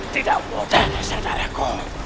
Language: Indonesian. tidak mudah sadar aku